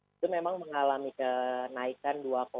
itu memang mengalami kenaikan